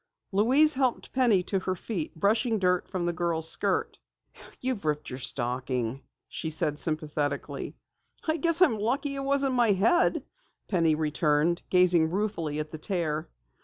Louise helped Penny to her feet, brushing dirt from the girl's skirt. "You've ripped your stocking," she said sympathetically. "I guess I'm lucky it wasn't my head," Penny returned gazing ruefully at the tear.